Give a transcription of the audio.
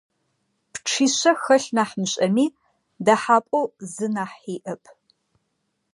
Пчъишъэ хэлъ нахь мышӀэми, дэхьапӀэу зы нахь иӀэп.